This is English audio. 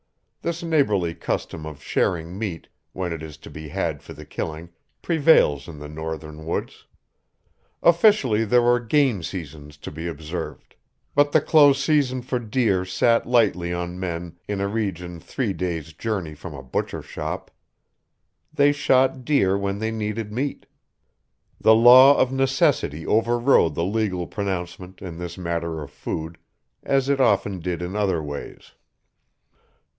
This neighborly custom of sharing meat, when it is to be had for the killing, prevails in the northern woods. Officially there were game seasons to be observed. But the close season for deer sat lightly on men in a region three days' journey from a butcher shop. They shot deer when they needed meat. The law of necessity overrode the legal pronouncement in this matter of food, as it often did in other ways.